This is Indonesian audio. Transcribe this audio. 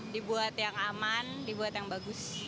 dibuat yang aman dibuat yang bagus